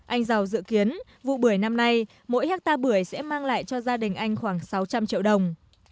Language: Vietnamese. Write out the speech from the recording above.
anh giàu dự kiến vụ bưởi năm nay mỗi hectare bưởi sẽ mang lại cho gia đình anh khoảng sáu trăm linh triệu đồng